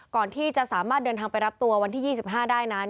ก่อนที่จะสามารถเดินทางไปรับตัววันที่๒๕ได้นั้น